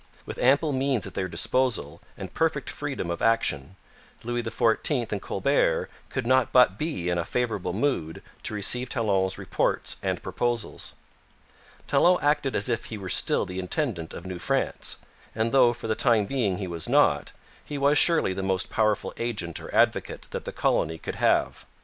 With ample means at their disposal and perfect freedom of action, Louis XIV and Colbert could not but be in a favourable mood to receive Talon's reports and proposals. Talon acted as if he were still the intendant of New France; and though for the time being he was not, he was surely the most powerful agent or advocate that the colony could have.